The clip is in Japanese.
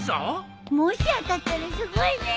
もし当たったらすごいね。